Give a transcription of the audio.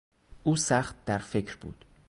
او سخت در فکر بود.